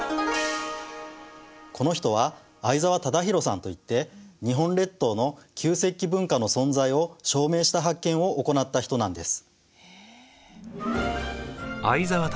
この人は相沢忠洋さんといって日本列島の旧石器文化の存在を証明した発見を行った人なんです。